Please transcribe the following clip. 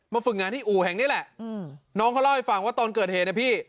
ฝึกงานที่อู่แห่งนี้แหละน้องเขาเล่าให้ฟังว่าตอนเกิดเหตุนะพี่